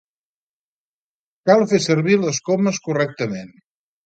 Cal fer servir les comes correctament.